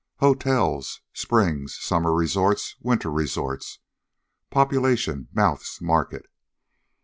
Hotels, springs, summer resorts, winter resorts population, mouths, market.